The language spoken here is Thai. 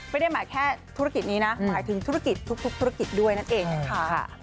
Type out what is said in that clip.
ไม่ได้หมายแค่ธุรกิจนี้นะหมายถึงธุรกิจทุกธุรกิจด้วยนั่นเองนะคะ